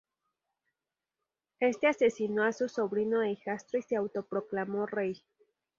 Este asesinó a su sobrino e hijastro y se autoproclamó rey.